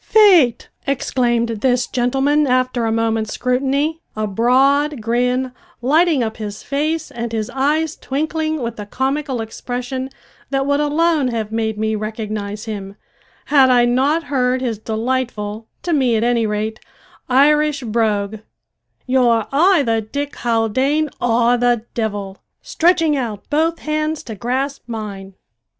"Faith," exclaimed this gentleman, after a moment's scrutiny, a broad grin lighting up his face and his eyes twinkling with a comical expression that would alone have made me recognise him, had I not heard his delightful, to me at any rate, Irish brogue, "ye're ayther Dick Haldane or the divvle!" stretching out both hands to grasp mine.